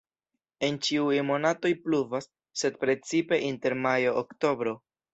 En ĉiuj monatoj pluvas, sed precipe inter majo-oktobro.